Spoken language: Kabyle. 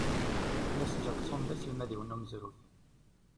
Mas Jackson d aselmad-iw n umezruy.